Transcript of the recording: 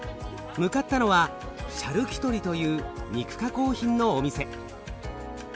向かったのはシャルキュトリという肉加工品のお店。